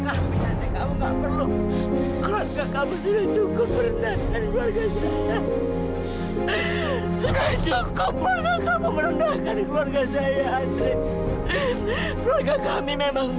kamu gak perlu pura pura baik sama keluarga kami